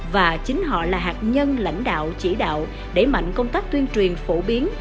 và chính họ là hạt nhân lãnh đạo chỉ đạo đẩy mạnh công tác tuyên truyền phổ biến